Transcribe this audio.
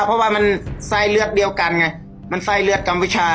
เพราะว่ามันไส้เลือดเดียวกันไงมันไส้เลือดกัมพูชา